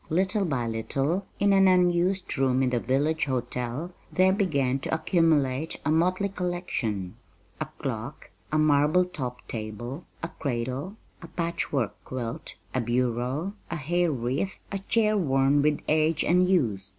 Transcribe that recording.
Little by little, in an unused room in the village hotel there began to accumulate a motley collection a clock, a marble topped table, a cradle, a patchwork quilt, a bureau, a hair wreath, a chair worn with age and use.